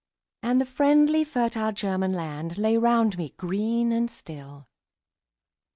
And the friendly fertile German land Lay round me green and still.